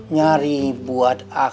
nyari buat akhirat doa